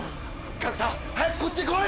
角田早くこっちに来い！